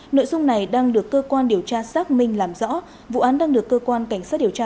nội dung này đang được cơ quan điều tra xác minh làm rõ vụ án đang được cơ quan cảnh sát điều tra